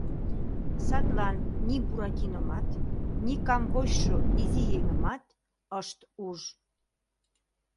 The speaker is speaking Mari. Садлан ни Буратиномат, ни камвочшо изи еҥымат ышт уж.